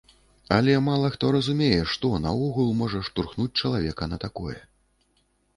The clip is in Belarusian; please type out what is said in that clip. Але мала хто разумее што наогул можа штурхнуць чалавека на такое.